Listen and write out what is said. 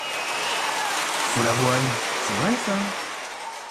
Follavoine C’est vrai ça !…